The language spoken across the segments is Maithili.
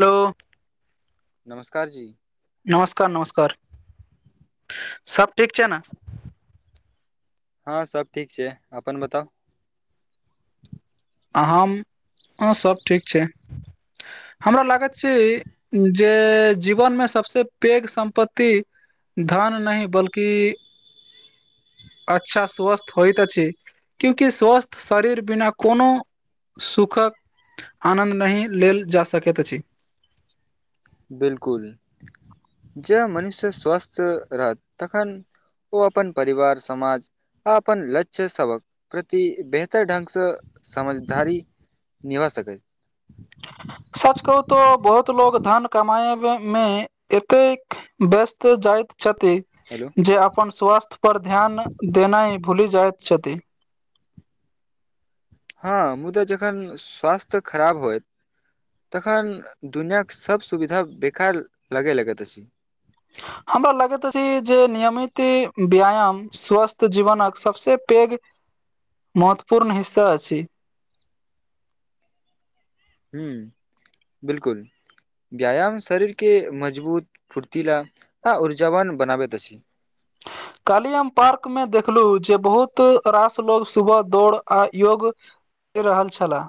हेलो नमस्कार जी नमस्कार नमस्कार सब ठीक छै ने हँ सब ठीक छै अपन बताउ हम ह सब ठीक छै हमरा लागैत छै जे जीवनमे सबस पैघ सम्पत्तति धान नहि बल्कि अच्छा स्वस्थ होइत अछि क्यूंकि स्वस्थ शरीर बिना कोनो सुखक आनन्द नहि लेल जा सकैत अछि बिलकुल जे मनुष्य स्वस्थ रहत तखन ओ अपन परिवार समाज आ अपन लक्ष्य सबक प्रति बेहतर ढंगसँ समझदारी निवासकै [unintelligible] सच कहू तो बहुत लोग धन कमाए मे एतेक व्यस्त जाइत छथि हेलो जे अपन स्वास्थ्य पर ध्यान देनाइ भूलि जाइत छथि हँ मुदा जखन स्वास्थ्य खराब होइत तखन दुनिआके सब सुविधा बेकार लगै लगैत अछि हमरा लगैत अछि जे नियमित व्यायाम स्वस्थ जीवनक सबस पैघ महत्वपूर्ण हिस्सा अछि ह बिलकुल व्यायाम शरीरके मजबूत फुर्तीला आ ऊर्जावान बनाबैत अछि काल्हि आम पार्क में देखलू जे बहुत रास लोग सुबह दौड़ आ योग रहल छलाह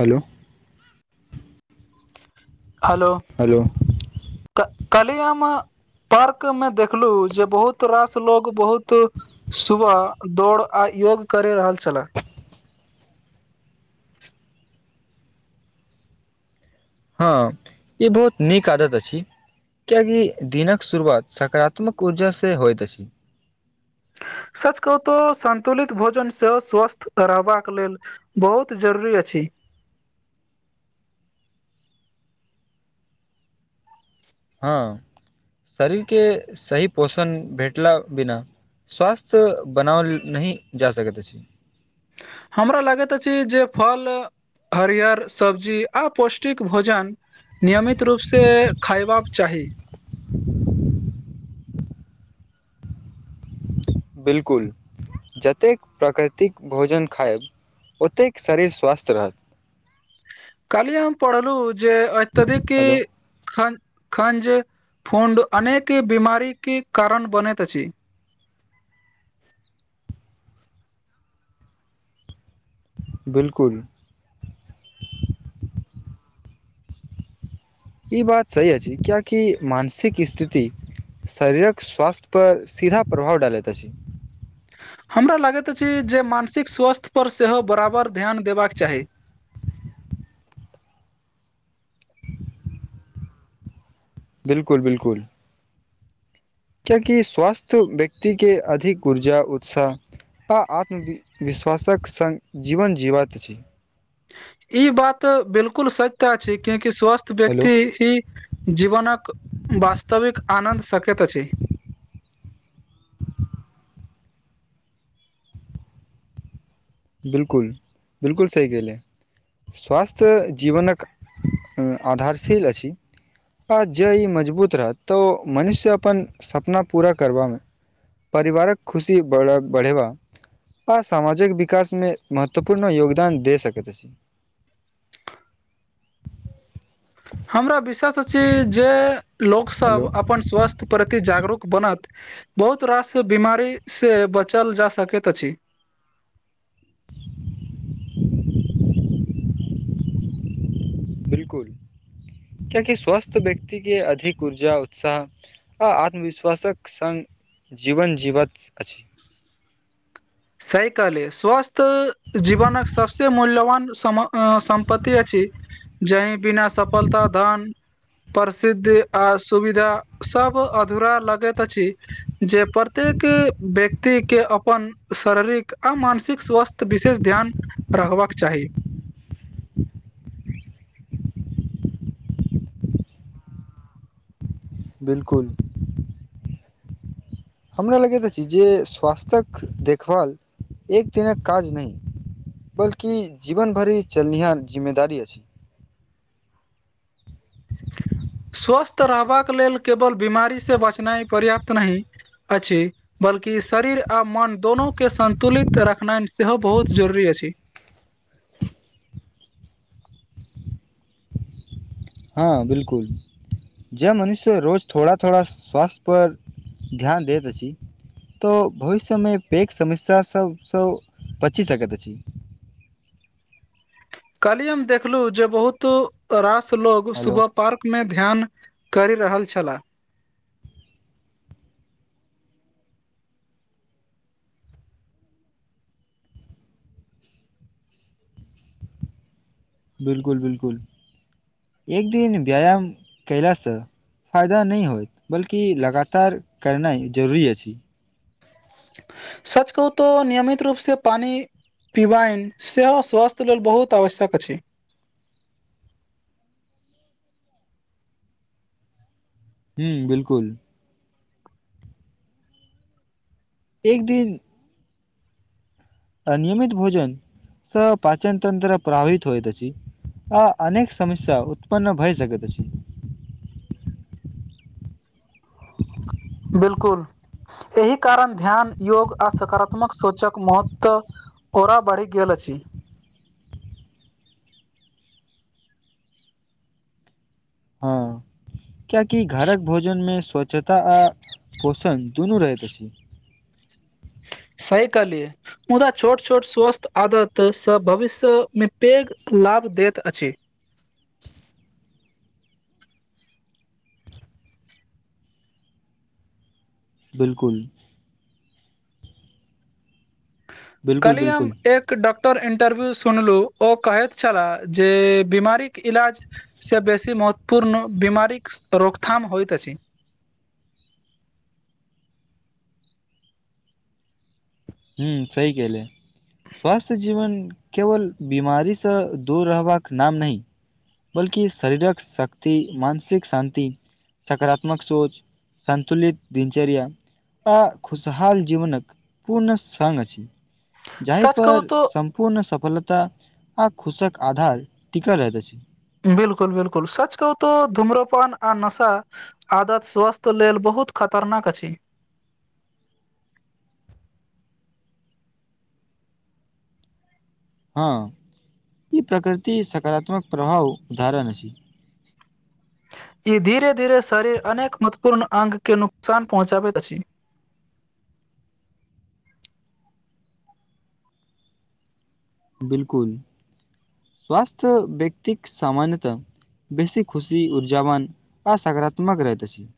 हेलो। हेलो। हेलो। क कलि हम। पार्क मे देखलू जे बहुत रास लोग बहुत सुबह दौड़ आ योग करे रहल छल हँ, ई बहुत नीक आदत अछि। कियाकि दिनक शुरुआत, सकारात्मक ऊर्जासँ होइत अछि। सच कहु तो संन्तुलित भोजन सेहो स्वस्थ रहबाक लेल। बहुत जरूरी अछि। हँ, शरीरके सही पोषण भेटला बिना। स्वास्थ्य बनाओल नहि, जा सकैत अछि। हमरा लागैत अछि। जे फल हरियर सब्जी, आ पौष्टिक भोजन। नियमित रूपसँ खयबाक चाही। बिल्कूल जतेक प्राकृतिक भोजन खायब। ओतेक शरीर स्वस्थ रहत। काल्हि हम पढ़लु। जे अत्यधिक हेलो की खंज फुंड अनेक बीमारी कारण बनैत अछि। बिल्कुल। ई बात सही अछि। कियाकि मानसिक स्थिति। शरीरक स्वास्थ्य पर सीधा प्रभाव डालैत अछि। हमरा लागैत अछि। जे मानसिक स्वास्थ्य पर सेहो बराबर ध्यान देबाक चाही। बिल्कुल बिल्कुल। कियाकि स्वस्थ व्यक्ति के अधिक ऊर्जा उत्साह। आ आत्मविश्वासक सङ्ग जीवन जीबैत छी। ई बात बिल्कूल सत्य छै। कियाकि स्वस्थ हेलो व्यक्ति ही। जीवनक वास्तविक आनन्द सकैत अछि। बिल्कूल बिल्कूल सही केहलै। स्वास्थ्य जीवन कऽ आधारशील अछि। आ जे ई मजबूत रहत तऽ मनुष्य अपन सपना पूरा करबामे। परिवारक खुशी बढ़े बढ़ेबा आ सामाजिक विकासमे महत्वपूर्ण योगदान दे सकैत अछि। हमरा विशवास अछि। जे हेलो लोकसभ अपन स्वास्थ्य प्रति जागरूक बनत। बहुत रास बीमारीसे बचल जा सकैत अछि। [inaudible] बिल्कूल। कियाकि स्वस्थ व्यक्तिके अधिक ऊर्जा उत्साह। आ आत्मविश्वासक सङ्ग, जीवन जीवत अछि। सही क़हलिये स्वस्थ जीवनक सभसे मूल्यवान सम। अ सम्पतति अछि जाई बिना सफलता धन। प्रसिद्ध आ सुविधा सभ अधूरा लगैत अछि। जे प्रत्येक व्यक्तिके अपन। शरीरिक आ मानसिक स्वास्थ्य विशेष ध्यान रखबाक चाही। बिल्कूल। हमरा लगैत अछि। जे स्वास्थ्क देखभाल एक दिनक काज नै बल्कि जीवन भरि चलनिहाँ जिम्मेदारी अछि। स्वस्थ रहबाक लेल केवल बीमार से बचनाइ पर्याप्त नहि अछि। बल्कि शरीर आ मन दोनूके संन्तुलित रखनाइ सेहो बहुत जरूरी अछि। हँ, बिल्कूल। जे मनुष्य रोज थोड़ा थोड़ा स्वास्थ्य पर ध्यान दैत अछि तो भविष्यमे पैघ समस्या सबसँ बचि सकैत अछि काल्हि हम देखलु जे बहुत रास लोग हेलो सब पार्क मे ध्यान करि रहल छलाह, बिलकुल बिलकुल एक दिन व्यायाम कयला से फायदा नहि होइत बल्कि लगातार करनाइ जरुरी अछि सच कहू तो नियमित रूप से पानि, पिवाइन सेहो स्वास्थ्य लेल बहुत आवश्यक अछि हूँ बिलकुल एक दिन अनियमित भोजन स पाचनतन्त्र्र प्रभावीत होइत अछि आ अनेक समस्या उत्पन्न भए सकैत छी बिलकुल एहि कारण ध्यान योग आ सकारात्मक सोचक महत्व ' ओरा बढ़ि गेल अछि, हँ कियाकि घरक भोजन मे स्वच्छता आ पोषण दुनू रहैत अछि सही कहलीय मुदा छोट छोट स्वस्थ्य आदतसँ भविष्यमे पैघ लाभ दैत अछि बिलकुल बिल्कुल कलही हम बिल्कुल ऐक डॉक्टर इंटरव्यू सुनलु ओ कहैत छलाह जे बीमारी के इलाज ' से बेसी महत्वपूर्ण बीमारी रोकथाम होइत छै, हूँ सही कहलिए स्वास्थ्य जीवन केवल बीमारीसँ दूर रहबाक नाम नहि अछि बल्कि शरीरक शक्ति मानसिक शांति सकारात्मक सोच संतुलित दिनचर्य आ खुशहाल जीवनक पूर्ण सघ अछि जाहि सच कहू पर तो हम पूर्ण सफलता आ शुशक आधार टीक रहत आछि बिल्कुल बिलकुल सच कहू तऽ धूम्रपान आ नशा ' आदत स्वास्थ्य लेल बहुत खतरनाक अछि। हँ ई प्रकृति सकारात्मक प्रभाव उधारन अछि ई धीरे धीरे शरीर अनेक महत्वपूर्ण अंग के नुकसान पहुँचाबैत अछि बिलकुल स्वस्थ्य व्यक्ति सामान्यताः बेसी खुशी ऊर्जावान आ सकारात्मक रहैत अछि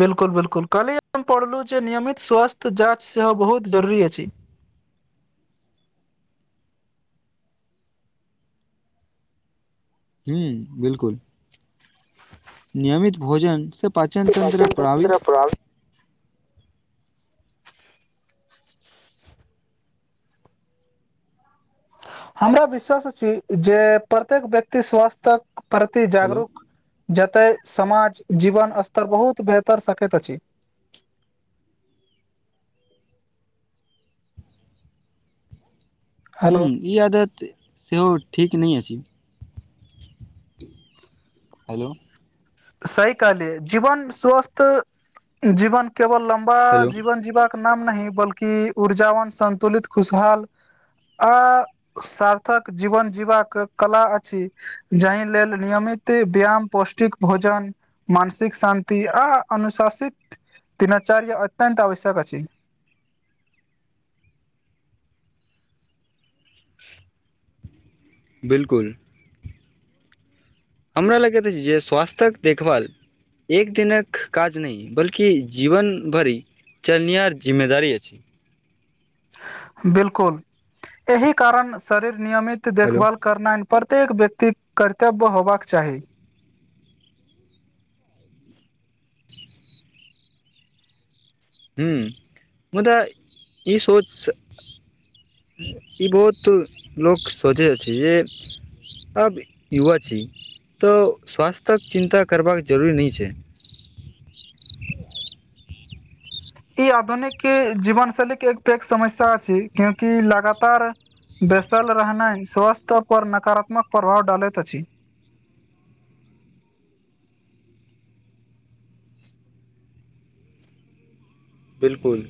बिलकुल बिलकुल काल्हि हम पढ़लु जे नियमित स्वास्थ्य जाँच सेहो बहुत जरुरी अछि जी बिलकुल नियमित भोजन से पाचन तत्र प्रात हमरा विश्वास अछी जे प्रत्येक व्यक्ति स्वास्थक प्रति हेलो जागरूक जतय समाज जीवन स्तर बहुत बेहतर सकैत अछि। हू हेलो ई आदत सेहो ठीक नहि अ छै हलो सही कहलिये जीवन स्वस्थ जीवन केवल लम्बा हेलो जीवन जीवा नाम नहि बल्कि ऊर्जावान सन्तुलित खुशहाल आ सार्थक जीवन जीवाक कला अछि जाहि लेल नियमित व्यायाम पौष्टिक भोजन मानसिक शान्ति आ अनुशासित। तिनाचार्य अत्यत आवश्यक अछि बिल्कुल हमरा लगैत अछि जे स्वास्थ्यक देखभाल एक दिनक काज नहि बल्कि जीवन भरि चलनिय जिम्मेदरी अछि। बिल्कूल एहिह कारण शरीर नियमित हेलो देखभाल। करनाए प्रत्येक व्यक्तिक कर्तव्य होबाक चाही। हू मुदा ई सोच। ई बहुत लोक सोचै छै जे। अब युवा छै तऽ स्वास्थ्यक चिन्ता करबाक जरूरी नहि छै। ई आधुनिक जीवन शैलीके एक पै समस्या अछि छै कियाकि लगातार। बेसल रहनाइ स्वास्थ्य पर नकारात्मक प्रभाव डालैत अछि। बिल्कूल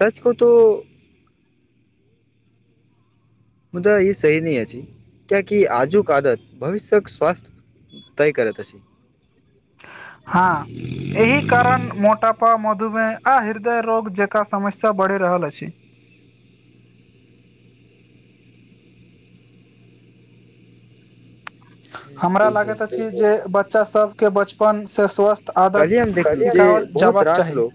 सच कहूं त। मुदा ई सही नै अछि। कियाकि आजुक आदत भविष्य्यक स्वास्थ्य तहि करैतस हँ। एहि कारण मोटापा मधुमेह आ हृदय रोग जकाँ समस्या बढ़ि रहल अछि। हमरा बिलकुल लागैत अछि। जे बच्चा सभके बचपन से स्वस्थ तऽ काल्हि हम आदत देखलहुँ जे सिखाओल बहुत जबाक रास चाही। लोक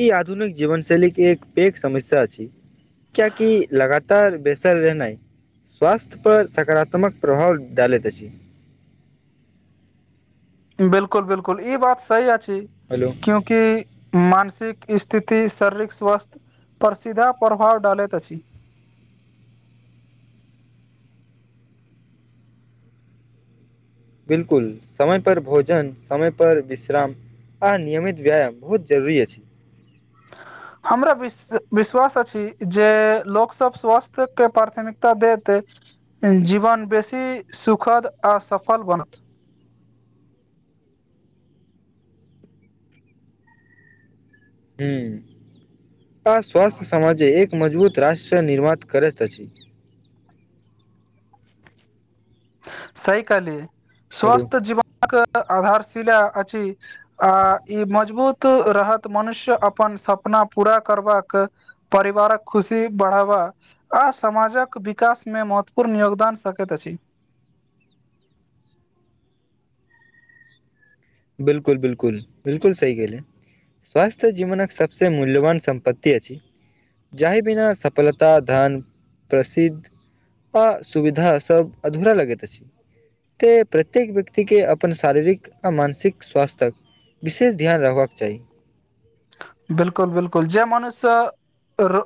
ई आधुनिक जीवनशैल के एक पैघ समस्या अछि। कियाकि लगातार बेसर रहना ह। स्वास्थ्य पर सकारात्मक, प्रभाव डालैत अछि। बिल्कूल बिल्कूल ई बात सही अछि। हेलो। क्यूकि, मानसिक स्थिति शारीरिक स्वास्थ। पर सीधा प्रभाव डालैत अछि। बिल्कूल समय पर भोजन समय पर विश्राम। आ नियमित व्यायाम, बहुत जरुरी अछि। ह हमरा विश विश्वास अछि। जे लोक सभ स्वास्थ्य के प्राथमिकता देत। जीवन बेसी सुखद आ सफल बनत। हू आ स्वस्थ्य समामाजे एक मजबूत राष्ट्र निर्माित करैत अछि। सहि कहालिये हेलो स्वस्थ्य जीवन। आहाकेँ आधारशिला अधी आ ई मजबूत रहत मनुष्य अपन सपना पूरा करबाक। परिवारक खुशी बढ़ावा। आ समाजक विकासमे महत्वपूर्ण योगदान सकैत अछि। बिल्कूल बिल्कूल बिल्कूल सही कहै। स्वास्थ्य जीवनक सबसे मूल्यवान सम्पत्ति अछि। जहि बिना सफलता धान प्रसिद्ध। आ सुविधा सभ अधूरा लगैत छै। तेँ प्रत्येक व्यक्तिके अपन शारीरिक आ मानसिक। सिख स्वास्थ्यक विशेष ध्यान रखबाक चाही। बिलकुल, बिलकुल। जे मनुष्य र।